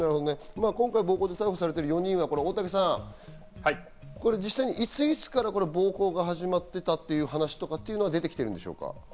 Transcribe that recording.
今回暴行で逮捕されている４人は、大竹さん、実際、いついつから暴行が始まってたという話とかってのでできてるんでしょうか？